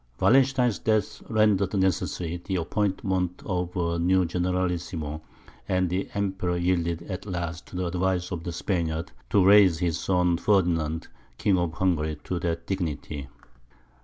Wallenstein's death rendered necessary the appointment of a new generalissimo; and the Emperor yielded at last to the advice of the Spaniards, to raise his son Ferdinand, King of Hungary, to that dignity.